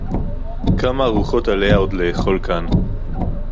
כַּמָּה אֲרוּחוֹת עָלֶיהָ עוֹד לֶאֱכֹל כָּאן